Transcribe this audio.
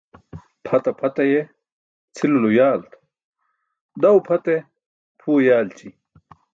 Pʰata pʰat aye cʰilulo yaalt, daw pʰat e?, pʰuwe yaalći.